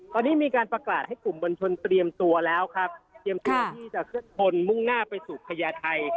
ตอนนี้มีการประกาศให้กลุ่มบัญชนเตรียมตัวแล้วครับเตรียมตัวที่จะเคลื่อนพลมุ่งหน้าไปสู่พญาไทย